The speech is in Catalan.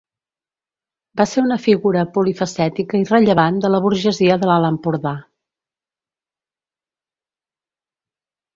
Va ser una figura polifacètica i rellevant de la burgesia de l'Alt Empordà.